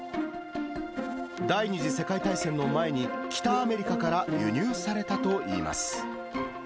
第２次世界大戦の前に、北アメリカから輸入されたといいます。